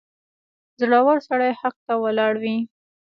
• زړور سړی حق ته ولاړ وي.